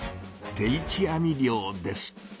「定置網漁」です。